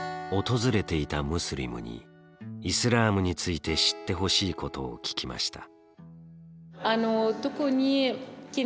訪れていたムスリムにイスラームについて知ってほしいことを聞きました。